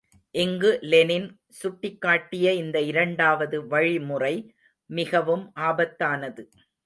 இங்கு லெனின் சுட்டிக்காட்டிய இந்த இரண்டாவது வழிமுறை மிகவும் ஆபத்தானது.